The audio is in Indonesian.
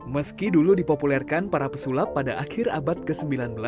meski dulu dipopulerkan para pesulap pada akhir abad ke sembilan belas